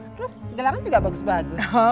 terus gelangnya juga bagus bagus